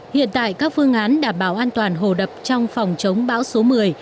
hiện tại các phương án đảm bảo an toàn hồ đập trong phòng chống bão số một mươi